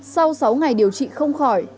sau sáu ngày điều trị không khỏi